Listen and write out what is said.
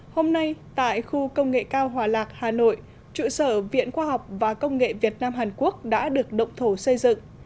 hôm nay tại khu công nghệ cao hòa lạc hà nội trụ sở viện khoa học và công nghệ việt nam hàn quốc đã được động thổ xây dựng